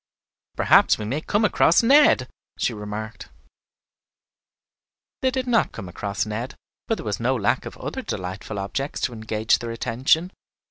"Perhaps we may come across Ned," she remarked. They did not come across Ned, but there was no lack of other delightful objects to engage their attention.